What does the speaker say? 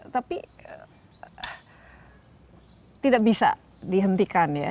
tapi tidak bisa dihentikan ya